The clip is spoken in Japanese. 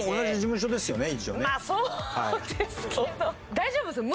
大丈夫ですか？